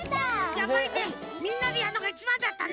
やっぱりねみんなでやるのがいちばんだったね！